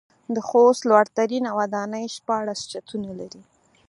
د خوست لوړ ترينه وداني شپاړس چتونه لري.